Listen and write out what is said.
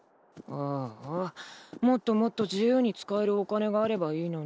ああもっともっと自由に使えるお金があればいいのに。